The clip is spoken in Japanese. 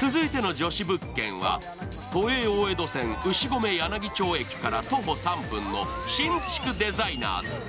続いての女子物件は、都営大江戸線牛込柳町駅から徒歩３分の新築デザイナーズ。